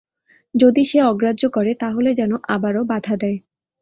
যদি সে অগ্রাহ্য করে তাহলে যেন আবারও বাধা দেয়।